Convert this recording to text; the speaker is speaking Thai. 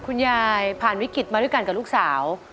คุณยายผ่านวิกฤตมาด้วยกันกับลูกสาว